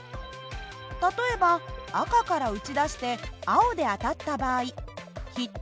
例えば赤から撃ち出して青で当たった場合ヒット